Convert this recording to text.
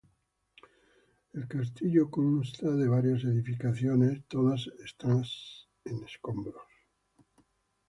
El castillo consta de varias edificaciones, todas estas en escombros.